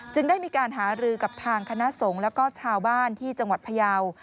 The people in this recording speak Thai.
ได้มีการหารือกับทางคณะสงฆ์แล้วก็ชาวบ้านที่จังหวัดพยาว